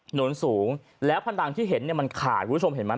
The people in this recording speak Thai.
หนุนสูงแล้วพนังที่เห็นเนี่ยมันขาดคุณผู้ชมเห็นไหม